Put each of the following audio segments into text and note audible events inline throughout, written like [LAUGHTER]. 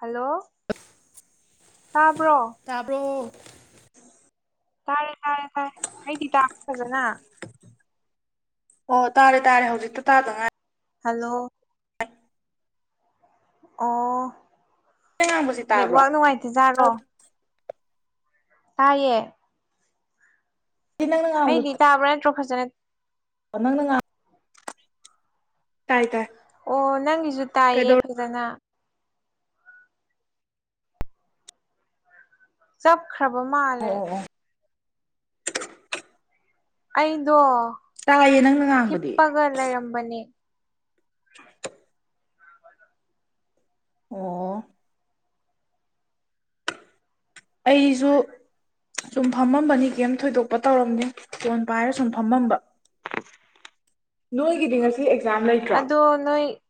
hello ꯇꯥꯕ꯭ꯔꯣ ꯇꯥꯕ꯭ꯔꯣ ꯇꯥꯔꯦ ꯇꯥꯔꯦ ꯇꯥꯔꯦ ꯍꯥꯏꯩ ꯇꯤ ꯇꯗꯅ ꯑꯣ ꯇꯥꯔꯦ ꯇꯥꯔꯦꯖꯤꯛꯇꯨ ꯇꯥꯗꯉꯥꯏ ꯍꯜꯂꯣ ꯑꯣ ꯑꯩꯅ ꯉꯥꯡꯕꯁꯤ ꯇꯥꯕ꯭ꯔꯣ ꯅꯦꯠꯋꯥꯛ ꯑꯩ ꯅꯨꯡꯉꯥꯏꯇꯦꯖꯥꯠꯔꯣ ꯇꯥꯏꯌꯦ ꯅꯪꯅ ꯑꯩꯗꯤꯗꯇꯥꯥꯕꯅ ꯔꯣꯈꯥꯖꯅ ꯅꯪ ꯅꯪ ꯇꯥꯏ ꯇꯥꯏ ꯑꯣ ꯅꯪꯒꯤꯁꯨ ꯇꯥꯏꯌꯦ ꯀꯩꯗꯧ ꯐꯖꯅ ꯆꯞꯈ꯭ꯔꯕ ꯑꯣ ꯃꯥꯜꯂꯦ ꯑꯣ ꯑꯣ ꯑꯩꯗꯣ ꯇꯥꯏꯌꯦ ꯅꯪꯅ ꯉꯥꯡꯕꯗꯤ ꯂꯔꯝꯕꯅꯤ ꯑꯣ ꯑꯩꯁꯨ ꯁꯨꯝ ꯐꯝꯃꯝꯕꯅꯤ ꯀꯩꯝ ꯊꯣꯏꯗꯣꯛꯄ ꯇꯧꯔꯝꯅꯦ ꯐꯣꯟ ꯄꯥꯏꯔ ꯁꯨꯝ ꯐꯝꯃꯝꯕ [INAUDIBLE] ꯅꯣꯏꯒꯤꯗꯤ ꯉꯁꯤ ꯑꯦꯛꯖꯥꯝ ꯂꯩꯇ꯭ꯔꯣ ꯣ ꯅꯣꯏ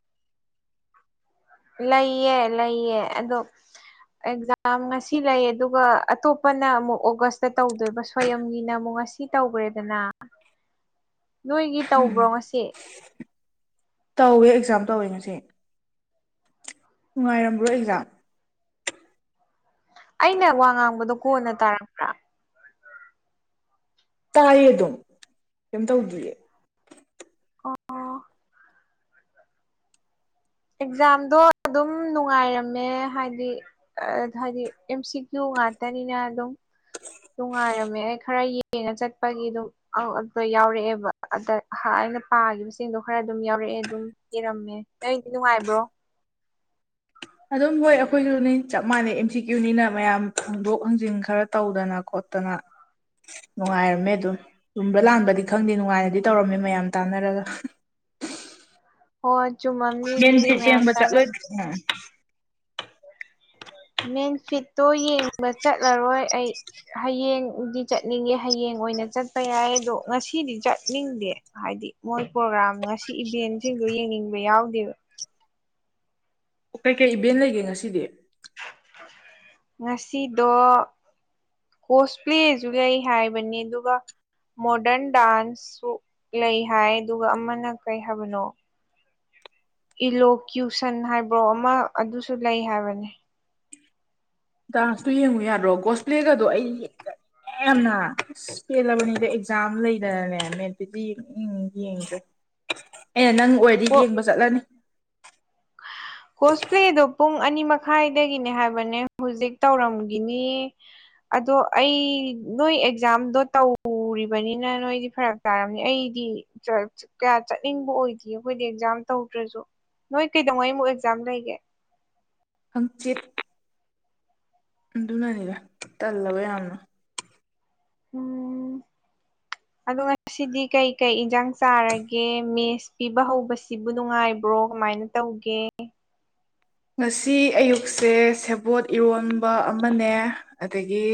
ꯂꯩꯌꯦ ꯂꯩꯌꯦ ꯑꯗꯣ ꯑꯦꯛꯖꯥꯝ ꯉꯁꯤ ꯂꯩ ꯑꯗꯨꯒ ꯑꯇꯣꯞꯄꯅ ꯑꯃꯨꯛ ꯑꯣꯒꯁꯇ ꯇꯧꯗꯣꯏꯕ ꯁ꯭ꯌꯝꯒꯤꯅ ꯑꯃꯨꯛ ꯉꯁꯤ ꯁꯤ ꯇꯧꯈ꯭ꯔꯦꯗꯅ ꯅꯣꯏꯒꯤ ꯇꯧꯕ꯭ꯔꯣ ꯉꯁꯤ ꯇꯧꯋꯦ ꯑꯦꯛꯖꯥꯝ ꯇꯧꯋꯦ ꯉꯁꯤ ꯅꯨꯡꯉꯥꯏꯔꯝꯕ꯭ꯔꯣ ꯑꯦꯛꯖꯥꯝ ꯑꯩꯅ ꯋꯥ ꯉꯥꯡꯕꯗꯣ ꯀꯣꯟꯅ ꯇꯥꯔꯛ ꯇꯥꯏꯌꯦ ꯑꯗꯨꯝ ꯀꯩꯝ ꯇꯧꯗ꯭ꯔꯤꯌꯦ ꯑꯣ ꯑꯦꯛꯖꯥꯝꯗꯣ ꯑꯗꯨꯝ ꯅꯨꯡꯉꯥꯏꯔꯝꯃꯦ ꯍꯥꯏꯗꯤ ꯑ ꯍꯥꯏꯗꯤ ꯑꯦꯝ ꯁꯤ ꯀ꯭ꯌꯨ ꯉꯇꯅꯤꯅ ꯑꯗꯨꯝ ꯅꯨꯡꯉꯥꯏꯔꯝꯃꯦ ꯑꯩ ꯈꯔ ꯌꯦꯡꯉ ꯆꯠꯄꯒꯤ ꯑꯗꯨꯝ ꯑ ꯑꯗꯨꯗ ꯌꯥꯎꯔꯛꯑꯦꯕ ꯑꯗ ꯑꯩꯅ ꯄꯥꯈꯤꯕꯁꯤꯡꯗꯣ ꯈꯔ ꯑꯗꯨꯝ ꯌꯥꯎꯔꯛꯑꯦ ꯑꯗꯨꯝ ꯏꯔꯝꯃꯦ ꯅꯪꯗꯤ ꯅꯨꯡꯉꯥꯏꯕ꯭ꯔꯣ ꯑꯗꯨꯝ ꯍꯣꯏ ꯑꯩꯈꯣꯏꯁꯨꯅꯤ ꯆꯞ ꯃꯥꯟꯅꯩ ꯑꯦꯝ ꯁꯤ ꯀ꯭ꯌꯨꯅꯤꯅ ꯃꯌꯥꯝ ꯍꯣꯡꯗꯣꯛ ꯍꯥꯡꯖꯤꯟ ꯈꯔ ꯇꯧꯗꯅ ꯈꯣ ꯠꯇꯅ ꯅꯨꯡꯉꯥꯏꯔꯝꯃꯦ ꯑꯗꯨꯝ ꯇꯨꯝꯕ ꯂꯥꯟꯕꯗꯤ ꯈꯪꯗꯦ ꯅꯨꯡꯉꯥꯏꯅꯗꯤ ꯇꯧꯔꯝꯃꯦ ꯃꯌꯥꯝ ꯇꯥꯟꯅꯔꯒ ꯍꯣꯏ ꯆꯨꯝꯃꯝꯅꯤ ꯑꯗꯨꯗꯤ ꯃꯦꯟꯐꯤꯠ ꯃꯌꯥꯝ ꯌꯦꯡꯕ ꯇꯥꯅ [UNINTELLIGIBLE] ꯃꯦꯟꯐꯤꯠꯇꯣ ꯌꯦꯡꯕ ꯆꯠꯂꯔꯣꯏ ꯑꯩ ꯍꯌꯦꯡꯗꯤ ꯆꯠꯅꯤꯡꯉꯦ ꯍꯌꯦꯡ ꯑꯣꯏꯅ ꯆꯠꯄ ꯌꯥꯏ ꯑꯗꯣ ꯉꯁꯤꯗꯤ ꯆꯠꯅꯤꯡꯗꯦ ꯍꯥꯏꯗꯤ ꯃꯣꯏ ꯄ꯭ꯔꯣꯒ꯭ꯔꯥꯝ ꯉꯁꯤ ꯏꯚꯦꯟꯁꯤꯡꯗꯨ ꯌꯦꯡꯅꯤꯡꯕ ꯌꯥꯎꯗꯦꯕ ꯑꯣ ꯀꯩ ꯀꯩ ꯏꯚꯦꯟ ꯂꯩꯒꯦ ꯉꯁꯤꯗꯤ ꯉꯁꯤꯗꯣ ꯀꯣꯁꯄ꯭ꯂꯦꯁꯨ ꯂꯩ ꯍꯥꯏꯕꯅꯦ ꯑꯗꯨꯒ ꯃꯣꯗꯔꯟ ꯗꯥꯟꯁꯁꯨ ꯂꯩ ꯍꯥꯏ ꯑꯗꯨꯒ ꯑꯃꯅ ꯀꯔꯤ ꯍꯥꯏꯕꯅꯣ ꯏꯂꯣꯀ꯭ꯌꯨꯁꯟ ꯍꯥꯏꯕ꯭ꯔꯣ ꯑꯃ ꯑꯗꯨꯁꯨ ꯂꯩ ꯍꯥꯏꯕꯅꯦ ꯗꯥꯟꯁꯇꯣ ꯌꯦꯡꯉꯨ ꯌꯥꯔ꯭ꯔꯣ ꯒꯣꯁꯄ꯭ꯂꯦꯒꯗꯣ ꯑꯩ ꯍꯦꯛꯇ ꯌꯥꯝꯅ ꯑꯁ ꯄꯦꯜꯂꯕꯅꯤꯗ ꯑꯦꯛꯖꯥꯝ ꯂꯩꯗꯅꯅꯦ ꯃ ꯑꯗꯨꯗꯤ ꯎꯝ ꯌꯦꯡꯁꯦ ꯑꯦꯅꯦ ꯅꯪ ꯀꯣ ꯑꯣꯏꯔꯗꯤ ꯌꯦꯡꯕ ꯆꯠꯂꯅꯤ [UNINTELLIGIBLE] ꯀꯣꯁꯄ꯭ꯂꯦꯗꯣ ꯄꯨꯡ ꯑꯅꯤ ꯃꯈꯥꯏꯗꯒꯤꯅꯦ ꯍꯥꯏꯕꯅꯦ ꯍꯧꯖꯤꯛ ꯇꯧꯔꯝꯒꯤꯅꯤ ꯑꯗꯣ ꯑꯩ ꯅꯣꯏ ꯑꯦꯛꯖꯥꯝꯗꯣ ꯇꯧ ꯎꯔꯤꯕꯅꯤꯅ ꯅꯣꯏꯗꯤ ꯐꯔꯛ ꯇꯥꯔꯝꯅꯤ ꯑꯩꯗꯤ ꯀꯌꯥ ꯆꯠꯅꯤꯡꯕ ꯑꯣꯏꯗꯦ ꯑꯩꯈꯣꯏꯗꯤ ꯑꯦꯛꯖꯥꯝ ꯇꯧꯗ꯭ꯔꯁꯨ ꯅꯣꯏ ꯀꯩꯗꯧꯉꯩꯨꯛ ꯑꯦꯛꯖꯥꯝ ꯂꯩꯒꯦ ꯍꯪꯆꯤꯠ ꯑꯗꯨꯅꯅꯤꯗ ꯇꯜꯂꯕ ꯌꯥꯝꯅ ꯎꯝ ꯑꯗꯨꯒ ꯁꯤꯗꯤ ꯀꯩꯀꯩ ꯏꯟꯁꯥꯡ ꯆꯥꯔꯒꯦ ꯃꯦꯁ ꯄꯤꯕ ꯍꯧꯕꯁꯤꯕꯨ ꯅꯨꯡꯉꯥꯏꯕ꯭ꯔꯣ ꯀꯃꯥꯏꯅ ꯇꯧꯒꯦ ꯉꯁꯤ ꯑꯌꯨꯛꯁꯦ ꯁꯦꯕꯣꯠ ꯏꯔꯣꯟꯕ ꯑꯃꯅꯦ ꯑꯗꯒꯤ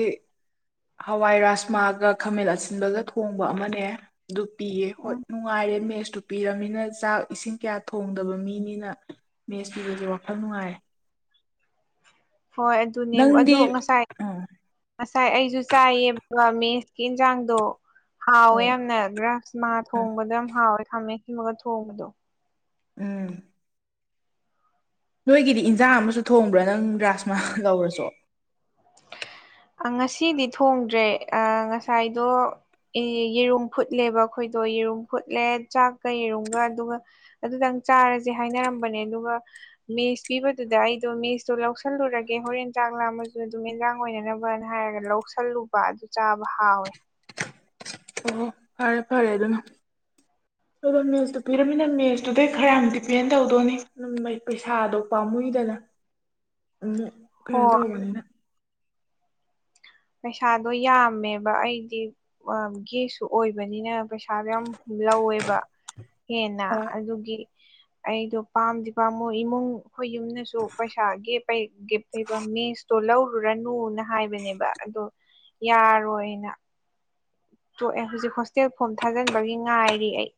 ꯍꯋꯥꯏ ꯔꯥꯥꯁꯃꯥꯒ ꯈꯥꯃꯦꯟ ꯑꯁꯤ ꯑꯁꯤꯤꯟꯕꯒ ꯊꯣꯡꯕ ꯑꯃꯅꯦ ꯑꯗꯨ ꯄꯤꯑꯦ ꯍꯣꯏ ꯎꯝ ꯅꯨꯡꯉꯥꯏꯔꯦ ꯃꯦꯁꯇꯨ ꯄꯤꯔꯕꯅꯤꯅ ꯆꯥꯛ ꯏꯁꯤꯡ ꯀꯌꯥ ꯊꯣꯡꯗꯕ ꯃꯤꯅꯤꯅ ꯃꯦꯁ ꯄꯤꯕꯁꯦ ꯋꯥꯈꯜ ꯅꯨꯡꯉꯥꯏ ꯍꯣꯏ ꯑꯗꯨꯅꯦ ꯅꯪꯗꯤ ꯑꯗꯣ ꯉꯁꯥꯏ ꯎꯝ ꯉꯁꯥꯏ ꯑꯩꯁꯨ ꯆꯥꯏꯌꯦꯕ ꯃꯦꯁꯀꯤ ꯌꯦꯟꯁꯥꯡꯗꯣ ꯍꯥꯎꯋꯦ ꯎꯝ ꯌꯥꯝꯅ ꯭ꯔ ꯉꯥ ꯊꯣꯡꯕꯗꯣ ꯌꯥꯝ ꯍꯥꯎꯋꯦ ꯈꯝꯃꯦ ꯁꯤꯃꯒ ꯊꯣꯡꯕꯗꯣ ꯎꯝ ꯅꯣꯏꯒꯤꯗꯤ ꯏꯟꯖꯥꯡ ꯑꯃꯁꯨ ꯊꯣꯡꯕ꯭ꯔꯥ ꯅꯪ ꯒ꯭ꯔꯥꯁꯃ ꯀꯧꯔꯁꯨ ꯉꯁꯤꯗꯤ ꯊꯣꯡꯗ꯭ꯔꯦ ꯉꯁꯥꯏꯗꯣ ꯌꯦꯔꯨꯝ ꯐꯨꯠꯂꯦꯕ ꯑꯩꯈꯣꯏꯗꯣ ꯌꯦꯔꯨꯝ ꯐꯨꯠꯂꯦ ꯆꯥꯛꯀ ꯌꯦꯔꯨꯝꯒ ꯑꯗꯨꯒ ꯑꯗꯨꯗꯪ ꯆꯥꯔꯁꯦ ꯍꯥꯏꯅꯔꯝꯕꯅꯦ ꯑꯗꯨꯒ ꯃꯦꯁ ꯄꯤꯕꯗꯨꯗ ꯑꯩꯗꯣ ꯃꯦꯁꯇꯣ ꯂꯧꯁꯜꯂꯨꯔꯒꯦ ꯍꯣꯔꯦꯟ ꯆꯥꯛ ꯂꯥꯝꯃꯁꯨ ꯑꯗꯨꯝ ꯑꯦꯟꯖꯥꯡ ꯑꯣꯏꯅꯅꯕ ꯍꯥꯏꯔꯒ ꯂꯧꯁꯜꯂꯨꯕ ꯑꯗꯨ ꯆꯥꯕ ꯍꯥꯎꯋꯦ ꯑꯣ ꯐꯔꯦ ꯐꯔꯦ ꯑꯗꯨꯅ [UNINTELLIGIBLE] ꯑꯗꯣ ꯃꯦꯁꯇꯨ ꯄꯤꯔꯝꯃꯤꯅ ꯃꯦꯁꯇꯨꯗꯩ ꯈꯔ ꯌꯥꯝ ꯗꯤꯄꯦꯟ ꯇꯧꯗꯣꯏꯅꯤ ꯑꯗꯨ ꯄꯩꯁꯥꯗꯣ ꯄꯥꯝꯃꯨꯏꯗꯅ [INAUDIBLE] ꯑꯃꯨꯛ ꯀꯩꯅꯣ ꯍꯣꯏ ꯇꯧꯕꯅꯤꯅ ꯄꯩꯁꯥꯗꯣ ꯌꯥꯝꯃꯦꯕ ꯑꯩꯗꯤ ꯒꯦꯁꯁꯨ ꯑꯣꯏꯕꯅꯤꯅ ꯄꯩꯁꯥꯗꯣ ꯌꯥꯝ ꯂꯧꯋꯦꯕ ꯍꯦꯟꯅ ꯍꯣꯏ ꯑꯗꯨꯒꯤ ꯑꯩꯗꯣ ꯄꯥꯝꯗꯤ ꯄꯝꯃꯨ ꯏꯃꯨꯡ ꯑꯩꯈꯣꯏ ꯌꯨꯝꯅꯁꯨ ꯄꯩꯁꯥꯒꯤ ꯄꯩ ꯒꯤꯞ ꯂꯩꯕ ꯃꯦꯁꯇꯣ ꯂꯧꯔꯨꯔꯅꯨꯅ ꯍꯥꯏꯕꯅꯦꯕ ꯑꯗꯣ ꯌꯥꯔꯣꯏꯅ ꯇꯣꯛꯑꯦ ꯍꯧꯖꯤꯛ ꯍꯣꯁꯇꯦꯜ ꯐꯣꯝ ꯊꯥꯖꯤꯟꯕꯒꯤ ꯉꯥꯏꯔꯤ ꯑꯩ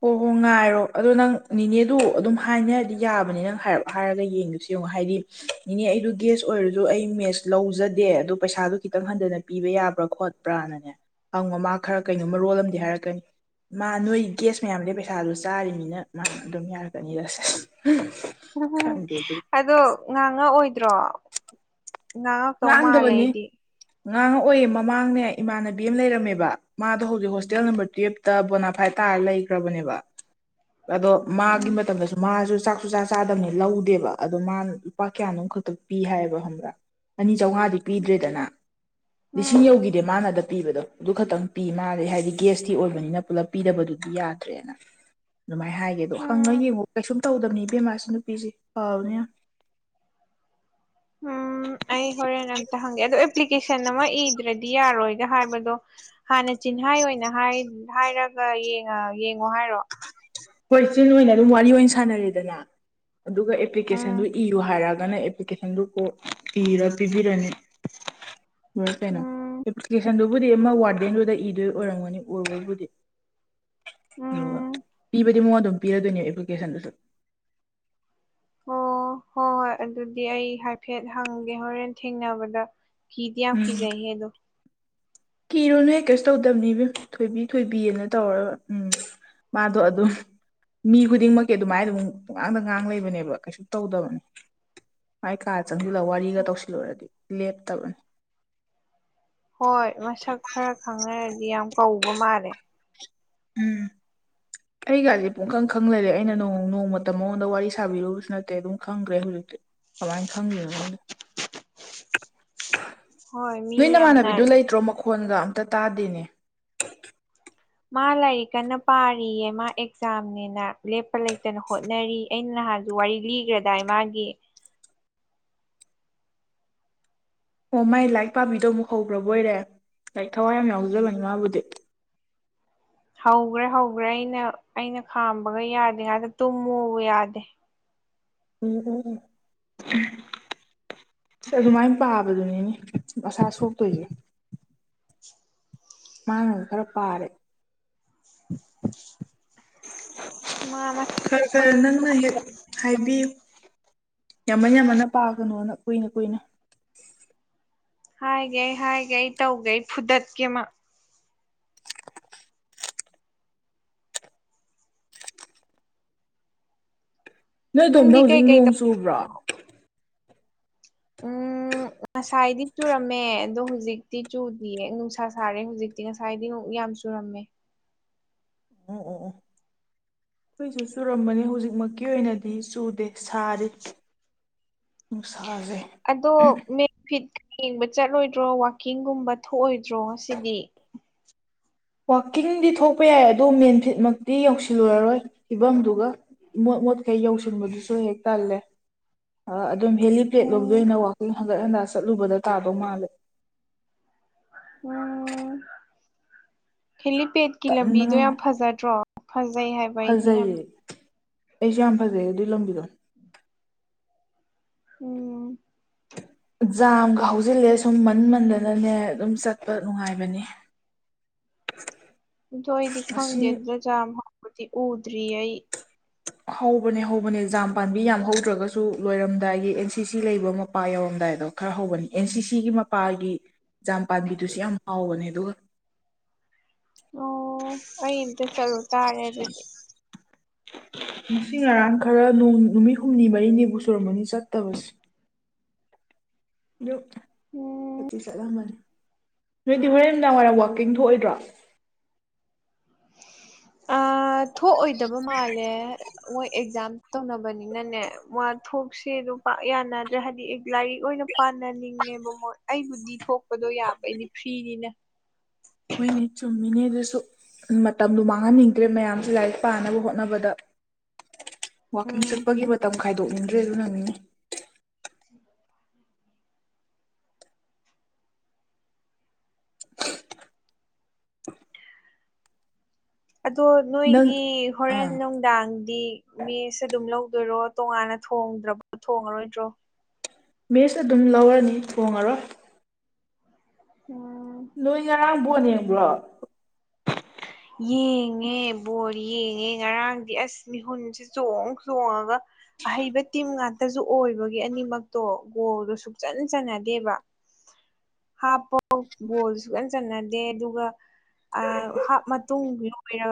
ꯍꯣꯏ ꯍꯣꯏ ꯉꯥꯏꯔꯣ ꯑꯗꯣ ꯅꯪ ꯅꯦꯅꯦꯗꯨ ꯑꯗꯨꯝ ꯍꯥꯏꯅꯗꯤ ꯌꯥꯕꯅꯤ ꯅꯪ ꯍꯥꯏꯔꯞ ꯍꯥꯏꯔꯒ ꯌꯦꯡꯒꯦꯁꯨ ꯌꯦꯡꯉꯣ ꯍꯥꯏꯗꯤ ꯏꯅꯦ ꯑꯩꯗꯣ ꯒꯦꯁ ꯑꯣꯏꯔꯁꯨ ꯑꯩ ꯃꯦꯁ ꯂꯧꯖꯗꯦ ꯑꯗꯣ ꯄꯩꯁꯥꯗꯣ ꯈꯤꯇꯪ ꯍꯟꯊꯅ ꯄꯤꯕ ꯌꯥꯕ꯭ꯔꯥ ꯈꯣꯠ ꯄ꯭ꯔꯥꯅꯅꯦ ꯍꯪꯉꯣ ꯃꯥ ꯈꯔ ꯀꯩꯅꯣꯝ ꯃꯔꯣꯜ ꯑꯝꯗꯤ ꯍꯥꯏꯔꯛꯀꯅꯤ ꯃꯥ ꯅꯣꯏ ꯒꯦꯁ ꯃꯌꯥꯝꯗꯩ ꯄꯩꯁꯥꯗꯨ ꯆꯥꯔꯤꯅꯤꯅ ꯃꯥ ꯑꯗꯨꯝ ꯌꯥꯔꯛꯀꯅꯤ ꯑꯁ ꯑꯁ ꯎꯝ ꯑꯗꯣ ꯉꯥꯡꯉꯥꯛꯑꯣꯏꯗ꯭ꯔꯣ ꯉꯡꯗꯕꯅꯤ ꯉꯥꯡꯉꯛꯑꯣꯏꯌꯦ ꯃꯃꯥꯡꯅꯦ ꯏꯃꯥꯟꯅꯕꯤ ꯑꯃ ꯂꯩꯔꯝꯃꯦꯕ ꯃꯥꯗꯣ ꯍꯧꯖꯤꯛ ꯍꯣꯁꯇꯦꯜ ꯅꯝꯕꯔ ꯇꯨꯋꯌꯦꯞ ꯇ ꯕꯣꯅꯥꯐꯥꯏ ꯇꯥꯔ ꯂꯩꯈ꯭ꯔꯕꯅꯦꯕ ꯑꯗꯣ ꯃꯥꯒꯤ ꯎꯝ ꯃꯇꯝꯗꯁꯨ ꯑ ꯃꯥꯁꯨ ꯆꯥꯛꯁꯨ ꯆꯥ ꯆꯥꯗꯕꯅꯤ ꯂꯧꯗꯦꯕ ꯑꯗꯣ ꯃꯥ ꯂꯨꯄꯥ ꯀꯌꯥꯅꯣꯝ ꯈꯛꯇ ꯄꯤ ꯍꯥꯏꯌꯦꯕ ꯍꯝꯕ꯭ꯔꯥ ꯑꯅꯤ ꯆꯧꯉꯥꯗꯤ ꯄꯤꯗ꯭ꯔꯦꯗꯅ ꯂꯤꯁꯤꯡ ꯎꯝ ꯌꯧꯈꯤꯗꯦ ꯃꯥꯅ ꯑꯗ ꯄꯤꯕꯗꯣ ꯑꯗꯨ ꯈꯛꯇꯪ ꯄꯤ ꯃꯥꯗꯤ ꯍꯥꯏꯗꯤ ꯒꯦꯁꯇꯤ ꯑꯣꯏꯕꯅꯤꯅ ꯄꯨꯂꯞ ꯄꯤꯗꯕꯗꯨꯗꯤ ꯌꯥꯗ꯭ꯔꯦꯅ ꯑꯗꯨꯃꯥꯏꯅ ꯍꯥꯏꯒꯦ ꯑꯗꯣ ꯍꯪꯉ ꯎꯝ ꯌꯦꯡꯉꯣ ꯀꯩꯁꯨꯝ ꯇꯧꯗꯕꯅꯤ ꯏꯕꯦꯝꯃꯥꯥ ꯑꯁꯤ ꯅꯨꯄꯤꯁꯦ ꯐꯥꯕꯅꯦ ꯌꯥꯝ ꯎꯝ ꯑꯩ ꯍꯣꯔꯦꯟ ꯑꯝꯇ ꯍꯪꯒꯦ ꯑꯗꯣ ꯑꯦꯄ꯭ꯂꯤꯀꯦꯁꯟ ꯑꯃ ꯏꯗ꯭ꯔꯗꯤ ꯌꯥꯔꯣꯏ ꯍꯥꯏꯕꯗꯣ ꯍꯥꯟꯅ ꯆꯤꯟꯍꯥꯏ ꯑꯣꯏꯅ ꯍꯥꯏ ꯍꯥꯏꯔꯒ ꯌꯦꯡꯉꯥ ꯌꯦꯡꯉꯣ ꯍꯥꯏꯔꯣ ꯍꯣꯏ ꯆꯤꯟ ꯑꯣꯏꯅ ꯑꯗꯨꯝ ꯋꯥꯔꯤ ꯑꯣꯏꯅ ꯁꯥꯟꯅꯔꯦꯗꯅ ꯑꯗꯨꯒ ꯎꯝ ꯑꯦꯄ꯭ꯂꯤꯀꯦꯁꯟꯗꯨ ꯏꯌꯨ ꯍꯥꯏꯔꯒꯅ ꯀꯣꯛ ꯏꯔꯥ ꯄꯤꯕꯤꯔꯅꯤ ꯂꯣꯏꯔꯦ ꯎꯝ ꯀꯩꯅꯣ ꯕꯨꯗꯤ ꯑꯃ ꯋꯥꯔꯗꯦꯟꯗꯨꯗ ꯏꯗꯣꯏ ꯑꯣꯏꯔꯝꯒꯅꯤ ꯑꯣꯏꯕꯕꯨꯗꯤ ꯑꯗꯨꯒ ꯎꯝ ꯄꯤꯕꯗꯤ ꯃꯉꯣꯟꯗ ꯑꯗꯨꯝ ꯄꯤꯔꯗꯣꯏꯅꯦ ꯅꯦꯄ꯭ꯂꯤꯀꯦꯁꯟꯗꯨꯁꯨ ꯍꯣꯏ ꯑꯣ ꯍꯣꯏ ꯑꯗꯨꯗꯤ ꯑꯩ ꯍꯥꯏꯐꯦꯠ ꯍꯪꯒꯦ ꯍꯣꯔꯦꯟ ꯊꯦꯡꯅꯕꯗ ꯀꯤꯗꯤ ꯌꯥꯝ ꯀꯤꯖꯩꯍꯦ ꯑꯗꯣ ꯀꯤꯔꯣꯅꯨ ꯍꯦ ꯀꯩꯁꯨ ꯇꯧꯗꯕꯅꯤ ꯏꯕꯦꯝ ꯊꯣꯏꯕꯤ ꯊꯣꯏꯕꯤꯑꯅ ꯇꯧꯔꯒ ꯎꯝ ꯃꯥꯗꯣ ꯑꯗꯨꯝ ꯃꯤ ꯈꯨꯗꯤꯡꯃꯛꯀꯤ ꯑꯗꯨꯃꯥꯏꯅ ꯑꯗꯨꯝ ꯄꯨꯉꯥꯡꯗ ꯉꯥꯡ ꯂꯩꯕꯅꯦꯕ ꯀꯩꯁꯨ ꯇꯧꯗꯕꯅꯤ ꯃꯥꯏ ꯀꯥ ꯆꯪꯁꯤꯜꯂ ꯋꯥꯔꯤꯒ ꯇꯧꯁꯤꯜꯂꯨꯔꯗꯤ ꯂꯦꯞꯇꯕꯅꯤ ꯍꯣꯏ ꯃꯁꯛ ꯈꯔ ꯈꯪꯅꯔꯗꯤ ꯌꯥꯝ ꯀꯧꯕ ꯃꯥꯜꯂꯦ ꯎꯝ ꯑꯩꯒꯥꯁꯦ ꯄꯨꯡꯈꯪ ꯈꯪ ꯂꯩꯔꯦ ꯑꯩꯅ ꯅ ꯅꯣꯡꯃꯇ ꯃꯉꯣꯟꯗ ꯋꯥꯔꯤ ꯁꯥꯕꯤꯔꯨꯕꯁꯨ ꯅꯠꯇꯦ ꯑꯗꯨꯝ ꯈꯪꯗꯈꯔꯦ ꯍꯧꯖꯤꯛꯇꯤ ꯀꯃꯥꯏꯅꯨ ꯈꯪꯒꯔ꯭ꯤꯅꯣ ꯈꯪꯗꯦ ꯍꯣꯏ ꯃꯤ ꯅꯣꯏ ꯌꯥꯝꯅ ꯅꯃꯥꯟꯅꯕꯤꯗꯨ ꯂꯩꯇ꯭ꯔꯣ ꯃꯈꯣꯟꯒ ꯑꯝꯇ ꯇꯥꯗꯦꯅꯦ ꯃꯥ ꯂꯥꯏꯔꯤꯛ ꯀꯟꯅ ꯄꯥꯔꯤꯌꯦ ꯃꯥ ꯑꯦꯛꯖꯥꯝꯅꯦꯅ ꯂꯦꯞꯄ ꯂꯩꯇꯅ ꯍꯣꯠꯅꯔꯤ ꯑꯩ ꯅꯍꯥꯟꯁꯨ ꯋꯥꯔꯤ ꯂꯤꯒꯔꯗꯥꯏ ꯃꯥꯒꯤ ꯑꯣ ꯃꯥꯏ ꯂꯥꯏꯔꯤꯛ ꯄꯥꯝꯕꯤꯗꯣ ꯑꯃꯨꯛ ꯍꯧꯈ꯭ꯔꯕ ꯑꯣꯏꯔꯦ ꯂꯥꯏꯔꯤꯛ ꯊꯋꯥꯏ ꯌꯥꯝ ꯌꯥꯎꯖꯕꯅꯤ ꯃꯥꯕꯨꯗꯤ ꯍꯧꯈ꯭ꯔꯦ ꯍꯧꯈ꯭ꯔꯦ ꯑꯩꯅ ꯑꯩꯅ ꯈꯥꯝꯕꯒ ꯌꯥꯗꯦꯉꯛꯇ ꯇꯨꯝꯃꯨꯕ ꯌꯥꯗꯦ [UNINTELLIGIBLE] ꯑꯗꯨꯃꯥꯏ ꯄꯥꯕꯗꯨꯅꯤꯅꯦ ꯃꯁꯥ ꯁꯣꯛꯇꯣꯏꯁꯦ [UNINTELLIGIBLE] ꯃꯥꯅꯒ ꯈꯔ ꯄꯥꯔꯦ ꯃꯥ ꯃꯁꯤ ꯈꯔ ꯊꯣꯛꯄ ꯈꯔ ꯅꯪꯅ ꯍꯦꯛ ꯍꯥꯏꯕꯤꯌꯨ ꯌꯥꯝꯃꯟ ꯌꯥꯝꯃꯟꯅ ꯄꯥꯒꯅꯣꯅ ꯀꯨꯏꯅ ꯀꯨꯏꯅ ꯍꯥꯏꯒꯦ ꯑꯩ ꯍꯥꯏꯒꯦ ꯑꯩ ꯇꯧꯒꯦ ꯑꯩ ꯐꯨꯗꯠꯀꯦ ꯃꯥ ꯅꯣꯏ ꯑꯗꯣꯝꯗ ꯅꯪꯗꯤ ꯍꯧꯖꯤꯛ ꯀꯩꯀꯩ ꯇꯧ ꯅꯣꯡ ꯆꯨꯕ꯭ꯔꯣ ꯎꯝ ꯉꯁꯥꯏꯗꯤ ꯆꯨꯔꯝꯃꯦ ꯑꯗꯣ ꯍꯧꯖꯤꯛꯇꯤ ꯆꯨꯗꯤꯌꯦ ꯅꯨꯡꯁꯥ ꯁꯥꯔꯦ ꯍꯧꯖꯤꯛ ꯉꯁꯥꯏꯗꯤ ꯑꯃꯨꯛ ꯌꯥꯝ ꯆꯨꯔꯝꯃꯦ ꯎꯝ ꯑꯣ ꯑꯣ ꯑꯩꯈꯣꯏꯁꯨ ꯆꯨꯔꯝꯕꯅꯦ ꯍꯧꯖꯤꯛꯃꯛꯀꯤ ꯑꯣꯏꯅꯗꯤ ꯆꯨꯗꯦ ꯁꯥꯔꯤ ꯅꯨꯡꯁꯥꯁꯦ ꯑꯗꯣ [UNINTELLIGIBLE] ꯌꯦꯡꯕ ꯆꯠꯂꯣꯏꯗ꯭ꯔꯣ ꯋꯥꯛꯀꯤꯡꯒꯨꯝꯕ ꯊꯣꯛꯑꯣꯏꯗ꯭ꯔꯣ ꯉꯁꯤꯗꯤ ꯋꯥꯛꯀꯤꯡꯗꯤ ꯊꯣꯛꯄ ꯌꯥꯏ ꯑꯗꯨ ꯃꯦꯟ ꯐꯤꯠꯃꯛꯇꯤ ꯌꯧꯁꯤꯜꯂꯨꯔꯔꯣꯏ ꯐꯤꯕꯝꯗꯨꯒ ꯃꯣꯠ ꯃꯣꯠꯈꯩ ꯌꯧꯁꯤꯟꯕꯗꯨꯁꯨ ꯍꯦꯛ ꯇꯜꯂꯦ ꯑꯥ ꯑꯗꯨꯝ ꯍꯦꯂꯤꯄꯦꯠ ꯂꯣꯝꯗ ꯎꯝ ꯑꯣꯏꯅ ꯋꯥꯛꯀꯤꯡ ꯍꯟꯒꯠ ꯍꯟꯗ ꯆꯠꯂꯨꯕꯗ ꯇꯥꯗꯧ ꯃꯥꯜꯂꯦ ꯎꯝ ꯍꯦꯂꯤꯄꯦꯗꯀꯤ ꯂꯝꯕꯤꯗꯣ ꯇꯟꯕꯅ ꯌꯥꯝ ꯐꯖꯗ꯭ꯔꯣ ꯐꯖꯩ ꯍꯥꯏ ꯐꯖꯩꯌꯦ ꯑꯩꯁꯨ ꯌꯥꯝ ꯐꯖꯩꯌꯦ ꯑꯗꯨꯏ ꯂꯝꯕꯤꯗꯣ [UNINTELLIGIBLE] ꯖꯥꯝꯒ ꯍꯧꯖꯤꯜꯂꯦ ꯁꯨꯝ ꯃꯟ ꯃꯟꯗꯅꯅꯦ ꯑꯗꯨꯝ ꯆꯠꯄ ꯅꯨꯡꯉꯥꯏꯕꯅꯦ ꯑꯗꯣ ꯑꯩꯗꯤ ꯑꯁꯤ ꯈꯪꯗꯦ ꯑꯗꯨꯗ ꯖꯥꯝ ꯍꯧꯕꯗꯤ ꯎꯗ꯭ꯔꯤ ꯑꯩ ꯍꯧꯕꯅꯦ ꯍꯧꯕꯅꯦ ꯖꯥꯝ ꯄꯥꯝꯕꯤ ꯌꯥꯝ ꯍꯧꯗ꯭ꯔꯒꯁꯨ ꯂꯣꯏꯔꯝꯗꯥꯏꯒꯤ ꯑꯦꯟ ꯁꯤ ꯁꯤ ꯂꯩꯕ ꯃꯄꯥ ꯌꯧꯔꯝꯗꯥꯏꯗꯣ ꯈꯔ ꯍꯧꯕꯅꯤ ꯑꯦꯟ ꯁꯤ ꯁꯤꯒꯤ ꯃꯄꯥꯒꯤ ꯖꯥꯝ ꯄꯥꯝꯕꯤꯗꯨꯁꯨ ꯌꯥꯝ ꯍꯥꯎꯕꯅꯦ ꯑꯗꯨꯒ ꯑꯣ ꯑꯩ ꯑꯝꯇ ꯆꯠꯂꯨ ꯇꯥꯔꯦ ꯑꯗꯨꯗꯤ ꯉꯁꯤ ꯉꯔꯥꯡ ꯈꯔ ꯅꯨ ꯅꯨꯃꯤꯠ ꯍꯨꯝꯅꯤ ꯃꯔꯤꯅꯤꯕꯨ ꯁꯨꯔꯝꯃꯅꯤ ꯆꯠꯇꯕꯁꯦ ꯑꯗꯨ ꯎꯝ [UNINTELLIGIBLE] ꯆꯠꯂꯝꯃꯅꯤ ꯅꯣꯏꯗꯤ ꯍꯣꯔꯦꯟ ꯅꯨꯃꯤꯗꯥꯡ ꯋꯥꯏꯔꯝ ꯋꯥꯛꯀꯤꯡ ꯊꯣꯛꯑꯣꯏꯗ꯭ꯔꯣ ꯑꯥ ꯊꯣꯛꯑꯣꯏꯗꯕ ꯃꯥꯜꯂꯦ ꯃꯣꯏ ꯑꯦꯛꯖꯥꯝ ꯇꯧꯅꯕꯅꯤꯅꯅꯦ ꯃꯥ ꯊꯣꯛꯁꯦ ꯑꯗꯨ ꯄꯥꯛ ꯌꯥꯅꯗ꯭ꯔꯦ ꯍꯥꯏꯗꯤ ꯂꯥꯏꯔꯤꯛ ꯑꯣꯏꯅ ꯄꯥꯅꯥꯅꯤꯡꯉꯦꯕ ꯃꯣꯏ ꯑꯩꯕꯨꯗꯤ ꯊꯣꯛꯄꯗꯣ ꯌꯥꯕ ꯑꯩꯗꯤ ꯐ꯭ꯔꯤꯅꯤꯅꯥ ꯍꯣꯏꯅꯦ ꯆꯨꯝꯃꯤꯅꯦ ꯑꯗꯨꯁꯨ ꯃꯇꯝꯗꯣ ꯃꯥꯡꯍꯟꯅꯤꯡꯗ꯭ꯔꯦ ꯃꯌꯥꯝꯁꯦ ꯂꯥꯏꯔꯤꯛ ꯄꯥꯅꯕ ꯍꯣꯠꯅꯕꯗ ꯋꯥꯛꯀꯤꯡ ꯎꯝ ꯆꯠꯄꯒꯤ ꯃꯇꯝ ꯈꯥꯏꯗꯣꯛꯅꯤꯡꯗ꯭ꯔꯦ ꯑꯗꯨꯅꯅꯤꯅꯦ [INAUDIBLE] ꯑꯗꯣ ꯅꯪ ꯅꯣꯏꯒꯤ ꯍꯣꯔꯦꯟ ꯑꯥ ꯅꯨꯡ- ꯗꯥꯡꯗꯤ ꯃꯦꯁ ꯑꯗꯨꯝ ꯂꯧꯗꯣꯏꯔꯣ ꯇꯣꯉꯥꯟꯅ ꯊꯣꯡꯗ꯭ꯔꯕ ꯊꯣꯡꯉꯔꯣꯏꯗ꯭ꯔꯣ ꯃꯦꯁ ꯑꯗꯨꯝ ꯂꯧꯔꯅꯤ ꯊꯣꯡꯉꯔꯣꯏ ꯎꯝ ꯅꯣꯏ ꯉꯔꯥꯡ ꯕꯣꯟ ꯌꯦꯡꯕ꯭ꯔꯣ ꯌꯦꯡꯉꯦ ꯕꯣꯜ ꯌꯦꯡꯉꯦ ꯉꯔꯥꯡꯗꯤ ꯑꯁ ꯃꯤꯍꯨꯟꯁꯦ ꯆꯣꯡ ꯆꯣꯡꯉꯒ ꯑꯍꯩꯕ ꯇꯤꯝ ꯉꯥꯛꯇꯁꯨ ꯑꯣꯏꯕꯒꯤ ꯑꯅꯤꯃꯛꯇꯣ ꯒꯣꯜꯗꯣ ꯁꯨꯛꯆꯟ ꯆꯟꯅꯗꯦꯕ [INAUDIBLE] ꯍꯥꯞꯄꯣ ꯕꯣꯜ ꯁꯨꯛ ꯆꯟ ꯆꯟꯅꯗꯦ ꯑꯗꯨꯒ ꯑꯥ ꯍꯥꯞ ꯃ- ꯇꯨꯡ ꯂꯣꯏꯔ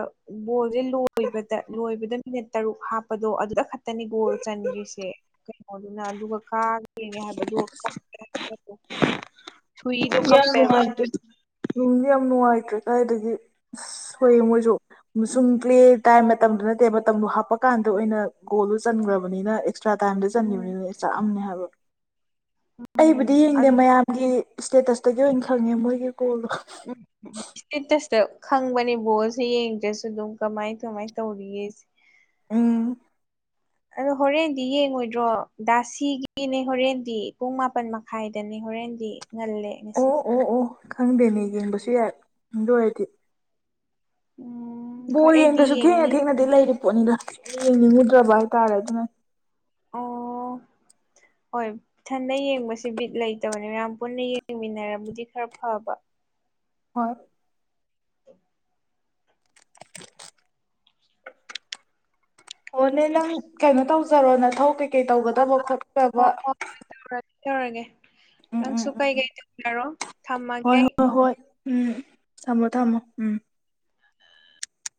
ꯕꯣꯜꯁꯦ ꯂꯣꯏꯕꯗ ꯂꯣꯏꯕꯗ ꯃꯤꯅꯤꯠ ꯇꯔꯨꯛ ꯍꯥꯞꯄꯗꯣ ꯑꯗꯨꯗ ꯈꯛ- ꯇꯅꯦ ꯒꯣꯜ ꯆꯟꯈ꯭ꯔꯤꯁꯦ ꯀꯩꯅꯣꯗꯨꯅ ꯑꯗꯨꯒ ꯀꯥꯒ꯭ꯔꯤꯅꯦ ꯍꯥꯏꯕꯗꯣ [UNINTELLIGIBLE] ꯁꯨꯏꯗꯣ ꯌꯥꯝ ꯀꯞꯄꯦꯕ ꯅꯨꯡꯉꯥꯏꯇꯦ ꯅꯨꯡꯗꯤ ꯌꯥꯝ ꯅꯨꯡꯉꯥꯏꯇ꯭ꯔꯦ ꯀꯥꯏꯗꯒꯤ ꯁꯣꯏꯌꯦ ꯃꯣꯏꯖꯨ ꯃꯨꯁꯨꯡ ꯄ꯭ꯂꯦ ꯇꯥꯏꯝ ꯃꯇꯝꯗꯨ ꯅꯠꯇꯦ ꯃꯇꯝꯗꯣ ꯍꯥꯞꯄ ꯀꯥꯟꯗ ꯑꯣꯏꯅ ꯒꯣꯜꯗꯣ ꯆꯟꯒ꯭ꯔꯕꯅꯤꯅ ꯇ꯭ꯔꯥ ꯇꯥ꯭ꯏꯝꯗ ꯎꯝ ꯆꯟꯈꯤꯕꯅꯤꯅ ꯆꯥꯛꯑꯝꯅꯤ ꯍꯥꯏꯕ ꯎꯝ ꯑꯩꯕꯨꯗꯤ ꯌꯦꯡꯗꯦ ꯑꯗꯨꯝ ꯃꯌꯥꯝꯒꯤ ꯏꯁꯇꯦꯇꯁꯇꯒꯤ ꯑꯣꯏꯅ ꯈꯪꯉꯦ ꯃꯣꯏꯒꯤ ꯀꯣꯜꯗꯣ [UNINTELLIGIBLE] ꯏꯁꯇꯦꯇꯁꯇ ꯈꯪꯕꯅꯦ ꯕꯣꯜꯁꯦ ꯌꯦꯡꯗ꯭ꯔꯁꯨ ꯑꯗꯨꯝ ꯀꯃꯥꯏ ꯀꯃꯥꯏꯅ ꯇꯧꯔꯤꯌꯦꯁꯦ ꯎꯝ [INAUDIBLE] ꯑꯗꯣ ꯍꯣꯔꯦꯟꯗꯤ ꯌꯦꯡꯉꯣꯏꯗ꯭ꯔꯣ ꯗꯥꯁꯤꯒꯤꯅꯦ ꯍꯣꯔꯦꯟꯗꯤ ꯄꯨꯡ ꯃꯥꯄꯟ ꯃꯥ ꯈꯥꯏꯗꯅꯤ ꯍꯣꯔꯦꯟꯗꯤ ꯉꯜꯂꯦ ꯑꯣ ꯉꯁꯤꯗꯤ ꯑꯣ ꯑꯣ ꯈꯪꯗꯦꯅꯦ ꯌꯦꯡꯕꯁꯨ ꯌꯥꯏ ꯑꯗꯨꯑꯣꯏꯗꯤ ꯎꯝ ꯍꯣꯏ ꯕꯣꯜ ꯑꯩꯗꯤ ꯌꯦꯡꯗ꯭ꯔꯁꯨ ꯊꯦꯡꯅ ꯌꯦꯡꯅꯤ ꯊꯦꯡꯅꯗꯤ ꯂꯩꯔꯤ ꯄꯣꯠꯅꯤꯗ ꯌꯦꯡꯅꯤꯡꯉꯨꯗ꯭ꯔꯕ ꯍꯥꯏꯇꯥꯔꯦ ꯑꯗꯨꯅ ꯑꯣ ꯍꯣꯏ ꯏꯊꯟꯗ ꯌꯦꯡꯕꯁꯦ ꯕꯤꯠ ꯂꯩꯇꯕꯅꯦ ꯃꯌꯥꯝ ꯄꯨꯟꯅ ꯌꯦꯡ ꯃꯤꯟꯅꯔꯕꯨꯗꯤ ꯈꯔ ꯐꯕ ꯍꯣꯏ ꯑꯣꯅꯦ ꯅꯪ ꯀꯩꯅꯣ ꯇꯧꯖꯔꯣ ꯅꯊꯧ ꯀꯩꯀꯩ ꯑ ꯇꯧꯒꯗꯕ ꯍꯣ ꯈꯣꯠꯀꯥꯗꯕ ꯍꯣ ꯇꯧꯔꯒꯦ ꯇꯧꯔꯒꯦ ꯎꯝ ꯎꯝ ꯅꯪꯁꯨ ꯎꯝ ꯀꯩꯀꯩ ꯇꯧꯖꯔꯣ ꯊꯝꯃꯒꯦ ꯍꯣꯏ ꯑꯩ ꯍꯣꯏ ꯍꯣꯏ ꯎꯝ ꯊꯝꯃꯣ ꯊꯝꯃꯣ ꯎꯝ